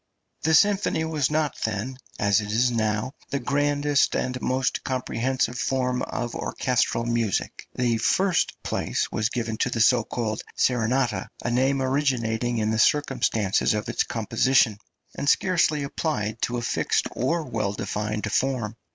The symphony was not then, as it is now, the grandest and most comprehensive form of orchestral music. The first place was given to the so called serenata, a name originating in the circumstances of its composition, and scarcely applied to a fixed or well defined form.